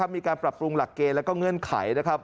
มีการปรับปรุงหลักเกณฑ์และมีการเคลื่อนไข